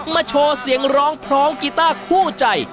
โชว์เสียงร้องพร้อมกีต้าคู่ใจ